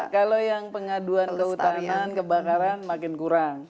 kalau yang pengaduan kehutanan kebakaran makin kurang